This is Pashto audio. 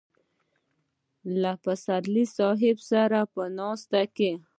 له پسرلي صاحب سره په ناستو کې.